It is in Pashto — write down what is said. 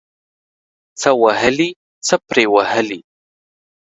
څه وهلي ، څه پري وهلي.